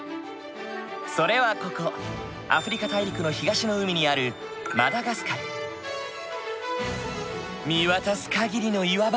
それはここアフリカ大陸の東の海にある見渡す限りの岩場。